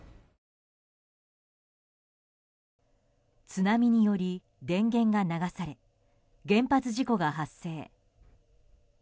津波により電源が流され原発事故が発生。